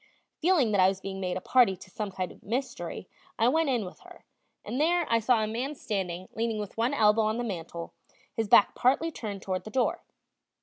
Feeling that I was being made a party to some kind of mystery, I went in with her, and there I saw a man standing leaning with one elbow on the mantel, his back partly turned toward the door.